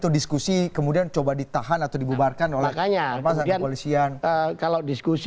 diskusi kemudian coba ditahan atau dibubarkan oleh kakaknya pasangan polisian kalau diskusi